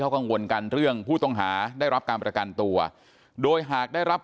กังวลกันเรื่องผู้ต้องหาได้รับการประกันตัวโดยหากได้รับ